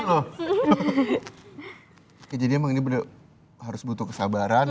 oke jadi emang ini bener harus butuh kesabaran